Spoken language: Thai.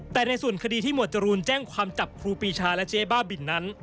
แต่ในส่วนคดีที่หมวดจรูนแจ้งความจับครูปีชาและเจ๊บ้าบินนั้น